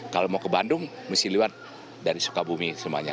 kalau mau ke bandung mesti lewat dari sukabumi semuanya